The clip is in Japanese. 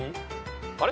あれ？